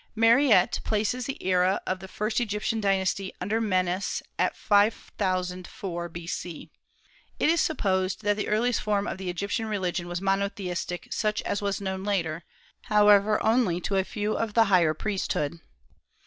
Mariette places the era of the first Egyptian dynasty under Menes at 5004 B.C. It is supposed that the earliest form of the Egyptian religion was monotheistic, such as was known later, however, only to a few of the higher priesthood.